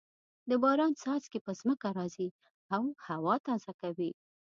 د باران څاڅکي په ځمکه راځې او هوا تازه کوي.